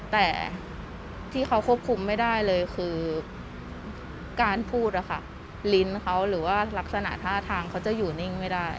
แต่ที่เขาควบคุมไม่ได้เลยคือการพูดอะค่ะลิ้นเขาหรือว่ารักษณะท่าทางเขาจะอยู่นิ่งไม่ได้